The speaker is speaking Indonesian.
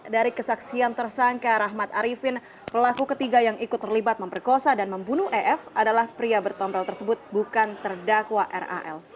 dari kesaksian tersangka rahmat arifin pelaku ketiga yang ikut terlibat memperkosa dan membunuh ef adalah pria bertempel tersebut bukan terdakwa ral